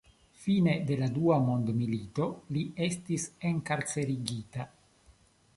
Fine de la dua mondmilito li estis enkarcerigita.